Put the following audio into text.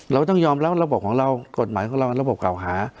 เราต้องยอมรับระบบของเรากฎหมายของเราระบบเก่าหา